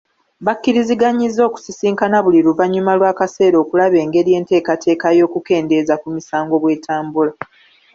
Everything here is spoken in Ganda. Bakkiriziganyizza okusisinkana buli luvannyuma lw'akaseera okulaba engeri enteekateeka y'okukendeeza ku misango bw'etambula.